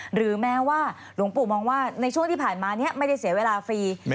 หรือแม้ว่าหลวงปู่มองว่าในช่วงที่ผ่านมานี้ไม่ได้เสียเวลาฟรี